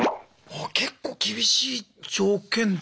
結構厳しい条件ですね。